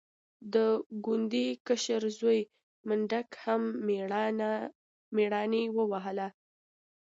د کونډې کشر زوی منډک هم مېړانې ووهله.